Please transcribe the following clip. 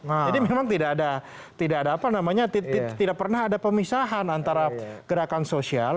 jadi memang tidak ada apa namanya tidak pernah ada pemisahan antara gerakan sosial gerakan politik dan gerakan sosial